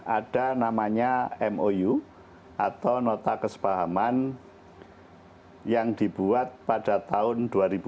ada namanya mou atau nota kesepahaman yang dibuat pada tahun dua ribu dua puluh